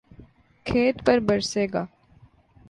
کھیت پر برسے گا